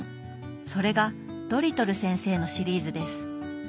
それが「ドリトル先生」のシリーズです。